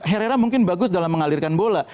herrera mungkin bagus dalam mengalirkan bola